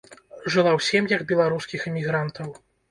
Жыла ў сем'ях беларускіх эмігрантаў.